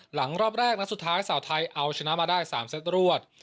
รอบแรกนัดสุดท้ายสาวไทยเอาชนะมาได้๓เซตรวด